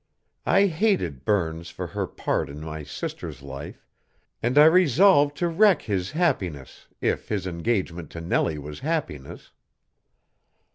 I hated Burns for his part in my sister's life, and I resolved to wreck his happiness if his engagement to Nellie was happiness.